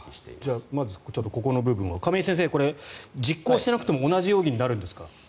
じゃあ、まずここの部分を亀井先生、実行していなくても同じ容疑になるんですか？